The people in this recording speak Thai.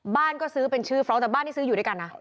บ้านก็ซื้อเป็นชื่อฟรองกแต่บ้านที่ซื้ออยู่ด้วยกันนะ